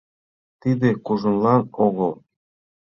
Тиде кужунлан огыл.